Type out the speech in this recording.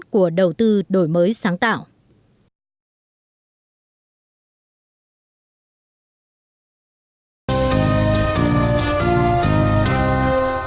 của đầu tư đổi mới sáng tạo của việt nam